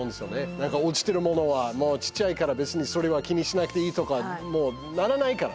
落ちてるものはもうちっちゃいから別にそれは気にしなくていいとかならないからね。